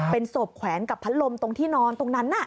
เป็นศพแขวนกับพัดลมตรงที่นอนตรงนั้น